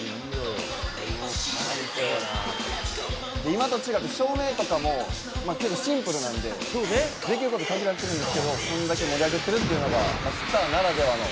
今と違って照明とかもシンプルなんでできること限られてるんですけどこれだけ盛り上げてるのがスターならではの。